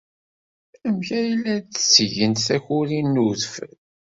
Amek ay la d-ttgent takurin n udfel?